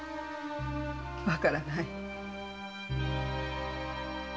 分からない。